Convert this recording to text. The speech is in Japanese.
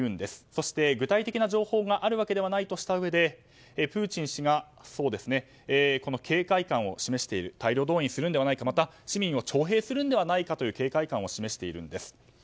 そして、具体的な情報があるわけではないとしたうえでプーチン氏が警戒感を示している大量動員するのではないか市民を徴兵するのではないかと警戒感を示しているんです。